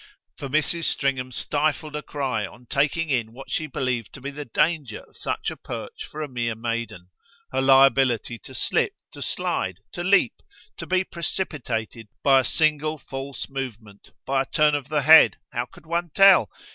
For Mrs. Stringham stifled a cry on taking in what she believed to be the danger of such a perch for a mere maiden; her liability to slip, to slide, to leap, to be precipitated by a single false movement, by a turn of the head how could one tell?